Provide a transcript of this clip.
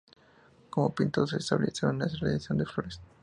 Como pintor se especializó en la realización de flores.